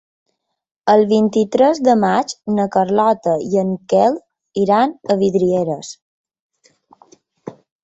El vint-i-tres de maig na Carlota i en Quel iran a Vidreres.